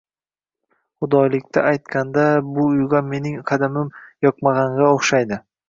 Xudoylikdi aytg‘anda, bu uyg‘a mening qadamim yoqmag‘ang‘a o‘xshaydi